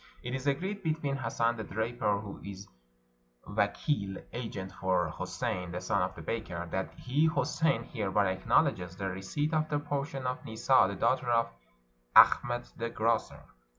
'' It is agreed between Hassan the draper, who is vakeel (agent) for Houssein the son of the baker, that he, Houssein, hereby acknowl edges the receipt of the portion of Nissa the daughter of Achmet the grocer."